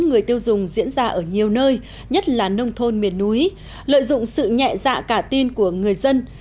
người tiêu dùng diễn ra ở nhiều nơi nhất là nông thôn miền núi lợi dụng sự nhẹ dạ cả tin của người dân